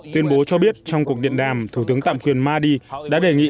tuyên bố cho biết trong cuộc điện đàm thủ tướng tạm quyền mahdi đã đề nghị